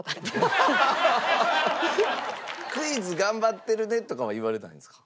クイズ頑張ってるねとかは言われないんですか？